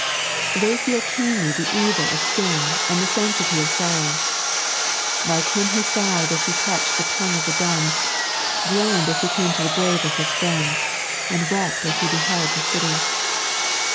They feel keenly the evil of sin and the sanctity of eoTTDw ; like Him who sighed as He touched the tongue of the dumb, groaned as He came to the grave of Hie friend, and wept as He beheld the city.